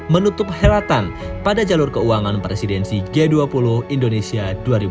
menutup healatan pada jalur keuangan presidensi g dua puluh indonesia dua ribu dua puluh